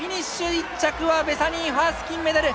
１着はべサニー・ファース金メダル。